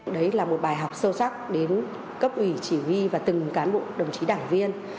đấy là một bài học sâu sắc đến cấp ủy chỉ huy và từng cán bộ đồng chí đảng viên